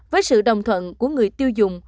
với sự đồng thuận của người tiêu dùng